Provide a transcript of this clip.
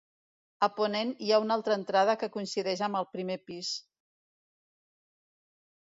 A ponent hi ha una altra entrada que coincideix amb el primer pis.